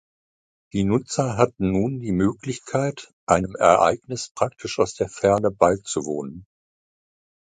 Die Nutzer hatten nun die Möglichkeit, einem Ereignis praktisch aus der Ferne beizuwohnen.